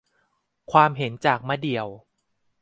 ความเห็นจากมะเดี่ยว